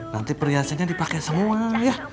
nanti perhiasannya dipakai semua